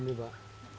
benerin lagi ini pak